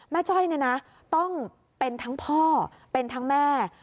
จ้อยเนี่ยนะต้องเป็นทั้งพ่อเป็นทั้งแม่